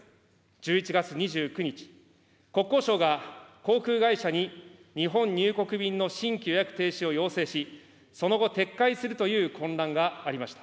１１月２９日、国交省が航空会社に日本入国便の新規予約停止を要請し、その後、撤回するという混乱がありました。